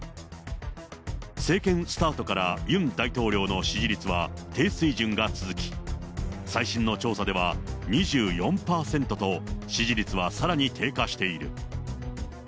政権スタートからユン大統領の支持率は、低水準が続き、最新の調査では、２４％と、支持率はさらに低下している。